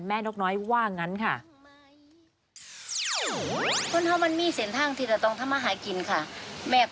นกน้อยว่างั้นค่ะ